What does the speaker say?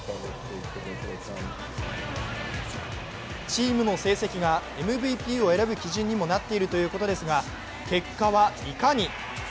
チームの成績がＭＶＰを選ぶ基準にもなっているということですが、結果やいかに。